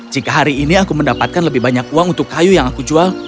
jika hari ini aku mendapatkan lebih banyak uang untuk kayu yang aku jual